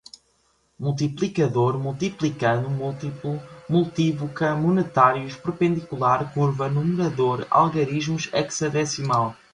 multiplicador, multiplicando, múltiplo, multívoca, monetários, perpendicular, curva, numerador, algarismos, hexadecimal